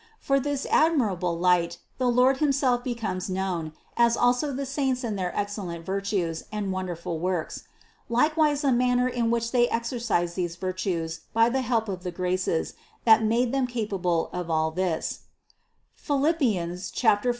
For this admirable light, the Lord himself becomes known, as also the Saints and their excellent virtues and wonderful works ; likewise the man ner in which they exercised these virtues by the help of the graces, that made them capable of all this (Philip 4, 13).